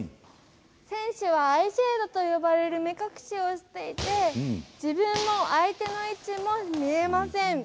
選手はアイシェードと呼ばれる目隠しをしていて自分も相手の位置も見えません。